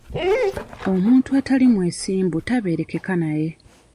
Omuntu atali mwesimbu tabeereka naye.